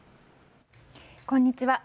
こんにちは。